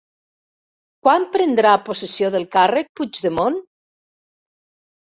Quan prendrà possessió del càrrec Puigdemont?